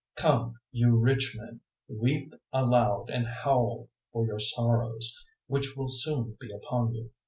005:001 Come, you rich men, weep aloud and howl for your sorrows which will soon be upon you.